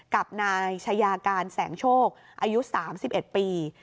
กับนายชายาการแสงโชคอายุ๓๑ปี